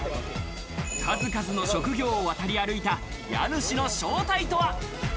数々の職業を渡り歩いた、家主の正体とは？